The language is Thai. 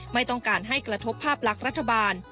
ไม่ต้องการให้กระทบภาพลักษณ์รัฐบาล